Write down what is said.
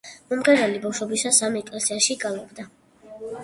მომღერალი ბავშობისას ამ ეკლესიაში გალობდა.